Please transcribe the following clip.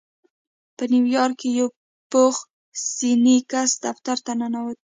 په نيويارک کې يو پوخ سنی کس دفتر ته ننوت.